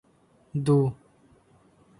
Ду